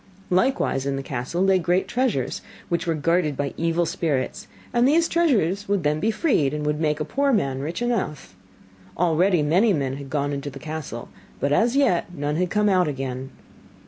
Likewise in the castle lay great treasures, which were guarded by evil spirits, and these treasures would then be freed, and would make a poor man rich enough. Already many men had gone into the castle, but as yet none had come out again.